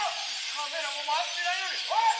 カメラも回ってないのにおい！